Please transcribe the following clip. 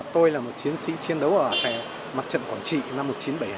tôi là một chiến sĩ chiến đấu ở mặt trận quảng trị năm một nghìn chín trăm bảy mươi hai